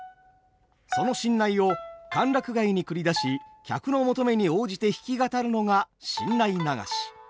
その新内を歓楽街に繰り出し客の求めに応じて弾き語るのが新内流し。